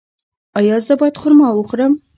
ایا زه باید خرما وخورم؟